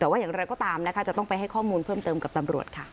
แต่ว่าอย่างไรก็ตามนะคะจะต้องไปให้ข้อมูลเพิ่มเติมกับตำรวจค่ะ